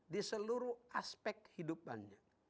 di seluruh aspek hidupannya